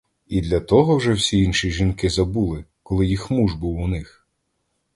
І для того вже всі інші жінки забули, коли їх муж був у них?